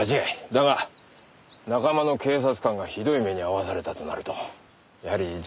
だが仲間の警察官がひどい目に遭わされたとなるとやはりじっとしてはいられない。